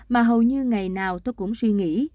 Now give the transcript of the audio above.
mà hầu như ngày nào tôi cũng suy nghĩ